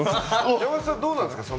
山本さん、どうなんですか。